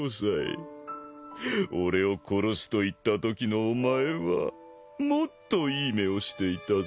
俺を殺すと言ったときのお前はもっといい目をしていたぞ。